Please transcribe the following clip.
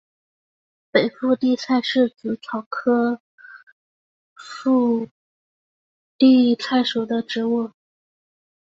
北附地菜是紫草科附地菜属的植物。